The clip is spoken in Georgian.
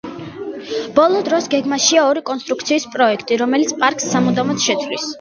ბოლო დროს გეგმაშია ორი კონსტრუქციის პროექტი, რომელიც პარკს სამუდამოდ შეცვლის.